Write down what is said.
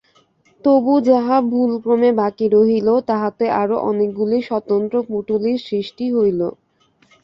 তবু যাহা ভুলক্রমে বাকি রহিল, তাহাতে আরো অনেকগুলি স্বতন্ত্র পুঁটুলির সৃষ্টি হইল।